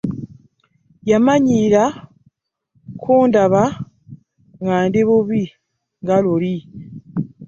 Yamanyiira kundaba nga ndi bubi nga luli.